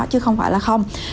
chứ không phải là không